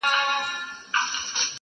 یو څو ورځي په کلا کي ورته تم سو -